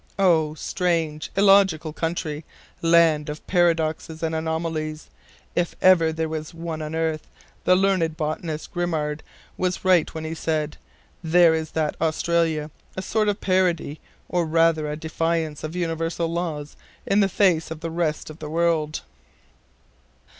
Oh, strange, illogical country, land of paradoxes and anomalies, if ever there was one on earth the learned botanist Grimard was right when he said, 'There is that Australia, a sort of parody, or rather a defiance of universal laws in the face of the rest of the world.